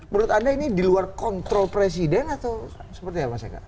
menurut anda ini di luar kontrol presiden atau seperti apa mas eka